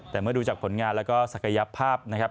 แต่เมื่อดูจากผลงานแล้วก็ศักยภาพนะครับ